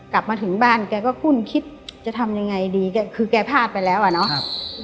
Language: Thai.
กลับมาถึงบ้านแกก็คุ้นคิดจะทำยังไงดีแกคือแกพลาดไปแล้วอ่ะเนาะ